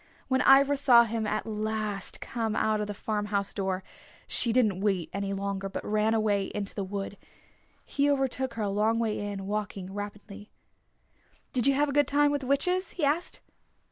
When Ivra saw him at last come out of the farm house door, she didn't wait longer, but ran away into the wood. He overtook her a long way in, walking rapidly. "Did you have a good time with the witches?" he asked.